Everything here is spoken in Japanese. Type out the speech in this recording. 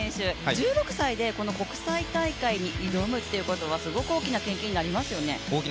１６歳で国際大会に挑むっていうことはすごく大きな経験になりますよね。